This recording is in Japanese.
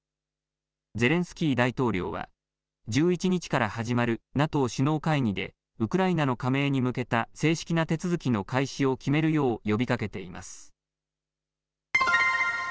ゼレンスキー大統領は１１日から始まるＮＡＴＯ首脳会議でウクライナの加盟に向けた正式な手続きの開始を決めるよう呼びかけています。